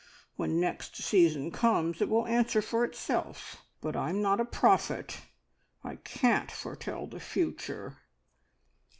When next season comes it will answer for itself, but I'm not a prophet I can't foretell the future."